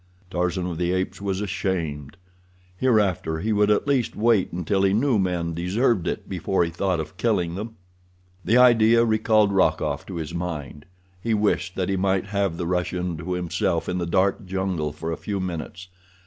Tarzan of the Apes was ashamed. Hereafter he would at least wait until he knew men deserved it before he thought of killing them. The idea recalled Rokoff to his mind. He wished that he might have the Russian to himself in the dark jungle for a few minutes.